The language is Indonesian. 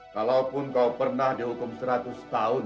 kalaupun kau pernah dihukum seratus tahun